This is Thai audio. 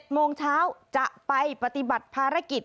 โมงเช้าจะไปปฏิบัติภารกิจ